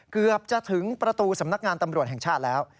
เกือบจะถึงประตูสำนักงานตำรวจแห่งชาติแล้ว